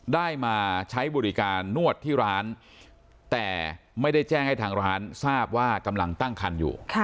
ได้มาใช้บริการนวดที่ร้านแต่ไม่ได้แจ้งให้ทางร้านทราบว่ากำลังตั้งคันอยู่